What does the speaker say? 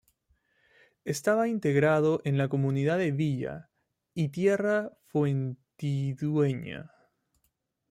Estaba integrado en la Comunidad de villa y tierra de Fuentidueña.